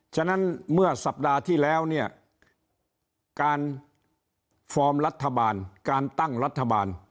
ฉะนั้นเมื่อสัปดาห์ที่แล้วเนี่ยการฟอร์มรัฐบาลการตั้งรัฐบาล